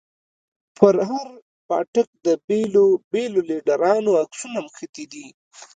پر هر پاټک د بېلو بېلو ليډرانو عکسونه مښتي دي.